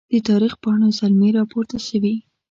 د تاریخ پاڼو زلمي راپورته سوي